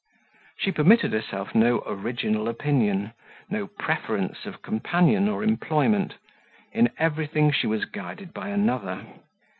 She permitted herself no original opinion, no preference of companion or employment; in everything she was guided by another.